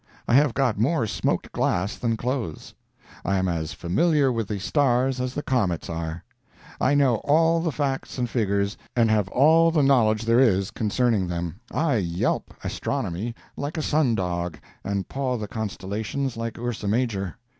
I have got more smoked glass than clothes. I am as familiar with the stars as the comets are. I know all the facts and figures and have all the knowledge there is concerning them. I yelp astronomy like a sun dog, and paw the constellations like Ursa Major.